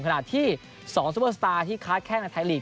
ขนาดที่๒ซุปเปอร์สตาร์ที่คลาดแค่ในไทยลีก